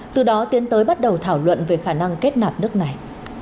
từ đó tiến tới bắt đầu thảo luận về khả năng kết nạp nước này